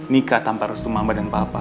nikah tanpa restu mama dan papa